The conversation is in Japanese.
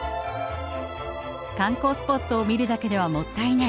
観光スポットを見るだけではもったいない。